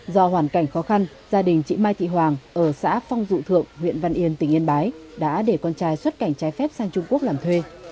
do hoàn cảnh khó khăn gia đình chị mai thị hoàng ở xã phong dụ thượng huyện văn yên tỉnh yên bái đã để con trai xuất cảnh trái phép sang trung quốc làm thuê